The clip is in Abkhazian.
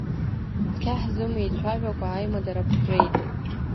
Цқьа ҳзымеицәажәакәа, аимадара ԥҵәеит.